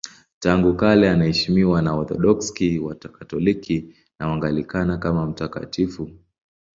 Tangu kale anaheshimiwa na Waorthodoksi, Wakatoliki na Waanglikana kama mtakatifu.